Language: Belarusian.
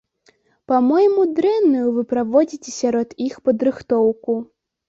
Па-мойму, дрэнную вы праводзіце сярод іх падрыхтоўку.